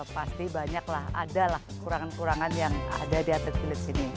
pasti banyaklah ada lah kurangan kurangan yang ada di atlet atlet sini